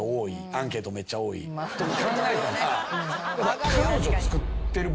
アンケートめっちゃ多い。とか考えたらやっぱ。